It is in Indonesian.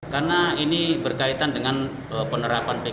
karena ini berkaitan dengan penerapan masker